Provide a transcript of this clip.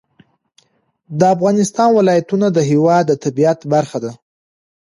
د افغانستان ولایتونه د هېواد د طبیعت برخه ده.